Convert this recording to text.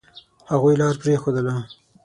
هغوی لار پرېښودله.